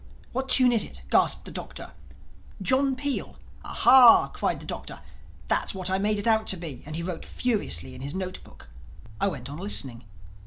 "What tune is it?" gasped the Doctor. "John Peel." "Ah hah," cried the Doctor, "that's what I made it out to be." And he wrote furiously in his note book. I went on listening.